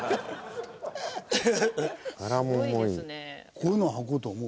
こういうのははこうと思う？